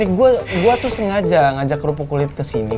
gue tuh sengaja ngajak kerupuk kulit ke sini